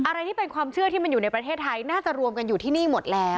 อะไรที่เป็นความเชื่อที่มันอยู่ในประเทศไทยน่าจะรวมกันอยู่ที่นี่หมดแล้ว